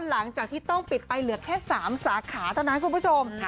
หลังจากที่ต้องปิดไปเหลือแค่๓สาขาเท่านั้นคุณผู้ชม